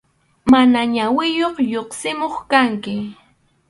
Mana ñawiyuq lluqsimuq kanki.